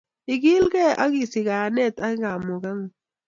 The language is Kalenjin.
Ikilgei ak isich kaiyanet ak kamugetngung